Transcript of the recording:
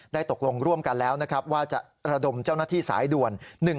ตกลงร่วมกันแล้วนะครับว่าจะระดมเจ้าหน้าที่สายด่วน๑๕